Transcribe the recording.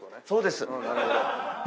そうです。